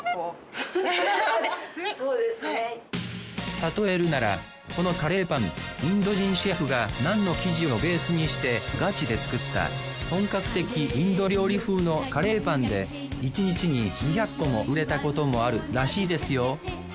例えるならこのカレーパンインド人シェフがナンの生地をベースにしてガチで作った本格的インド料理風のカレーパンで１日に２００個も売れたこともあるらしいですよ。